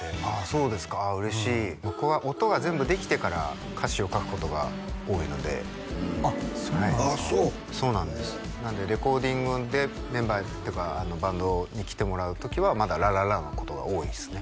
そうですか嬉しい僕は音が全部できてから歌詞を書くことが多いのであっそうなんですかそうなんですなのでレコーディングでメンバーとかバンドに来てもらう時はまだ「ラララ」のことが多いっすね